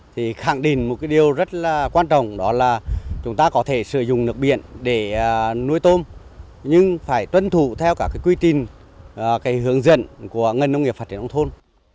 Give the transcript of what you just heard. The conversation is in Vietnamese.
thì khẳng định một điều rất là quan trọng đó là chúng ta có thể sử dụng nước biển để nuôi tôm nhưng phải tuân thụ theo cả quy trình hướng dẫn của ngân nông nghiệp phát triển nông thôn